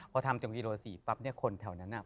พอทำชมที่โปรโหตคนที่นั่นแบบ